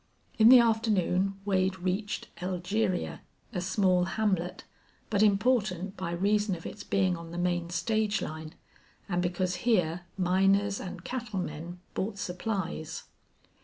In the afternoon Wade reached Elgeria, a small hamlet, but important by reason of its being on the main stage line, and because here miners and cattlemen bought supplies.